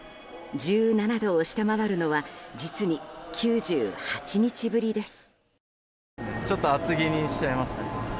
１７度を下回るのは実に９８日ぶりです。